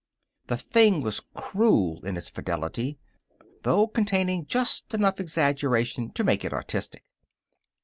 The thing was cruel in its fidelity, though containing just enough exaggeration to make it artistic.